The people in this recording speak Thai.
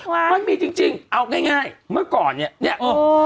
ว้าวไม่มีจริงเอาง่ายเมื่อก่อนเนี่ย